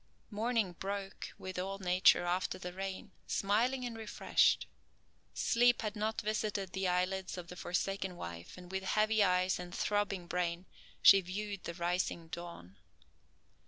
Morning broke with all nature, after the rain, smiling and refreshed. Sleep had not visited the eyelids of the forsaken wife and with heavy eyes and throbbing brain, she viewed the rising dawn.